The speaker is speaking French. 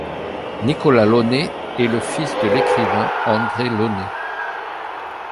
Nicolas Launay est le fils de l'écrivain André Launay.